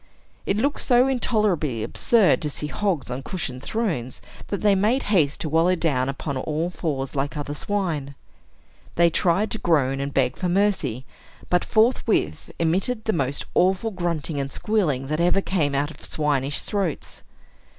It looked so intolerably absurd to see hogs on cushioned thrones, that they made haste to wallow down upon all fours, like other swine. They tried to groan and beg for mercy, but forthwith emitted the most awful grunting and squealing that ever came out of swinish throats.